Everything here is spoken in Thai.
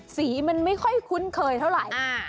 สีมันไม่ค่อยคุ้นเคยเท่าไหร่